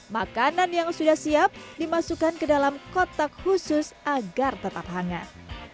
makanan yang sudah siap dimasukkan ke dalam kotak khusus agar tetap hangat